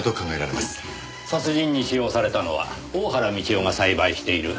殺人に使用されたのは大原美千代が栽培している